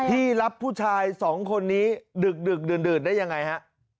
ที่รับผู้ชายสองคนนี้ดึกดื่นได้ยังไงฮะ